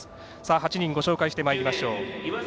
８人ご紹介してまいりましょう。